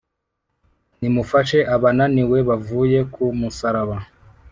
Nimufashe abananiwe Bavuye ku Musaraba.